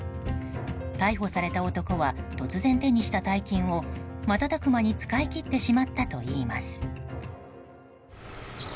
逮捕された男は突然、手にした大金を瞬く間に使い切ってしまったといいます。